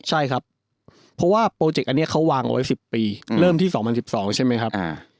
ใช่ครับเพราะว่าโปรเจกต์อันนี้เขาวางเอาไว้๑๐ปีเริ่มที่๒๐๑๒ใช่ไหมครับ